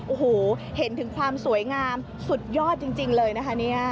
โอ้โหเห็นถึงความสวยงามสุดยอดจริงเลยนะคะเนี่ย